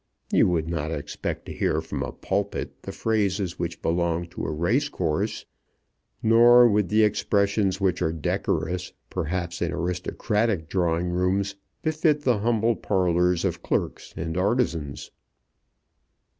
You would not expect to hear from a pulpit the phrases which belong to a racecourse, nor would the expressions which are decorous, perhaps, in aristocratic drawing rooms befit the humble parlours of clerks and artisans."